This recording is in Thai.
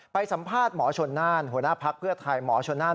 สัมภาษณ์หมอชนน่านหัวหน้าพักเพื่อไทยหมอชนนั่น